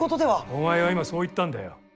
お前は今そう言ったんだよ。